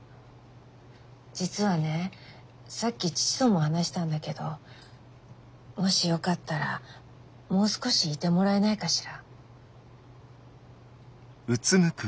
実はねさっき義父とも話したんだけどもしよかったらもう少しいてもらえないかしら？